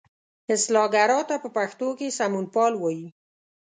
اصلاح ګرا ته په پښتو کې سمونپال وایي.